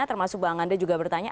termasuk bang andre juga bertanya